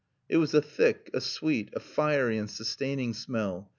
It was a thick, a sweet, a fiery and sustaining smell.